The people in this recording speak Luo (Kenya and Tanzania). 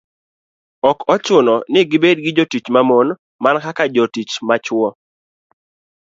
Ok ochuno ni gibed gi jotich ma mon, mana kaka jotich ma chwo.